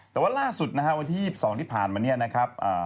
แต่ว่าล่าสุดนะฮะวันที่๒๒ที่ผ่านมาเนี่ยนะครับ